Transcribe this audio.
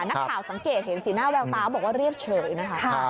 นักข่าวสังเกตเห็นสีหน้าแววตาเขาบอกว่าเรียบเฉยนะคะ